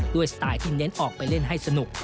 สไตล์ที่เน้นออกไปเล่นให้สนุก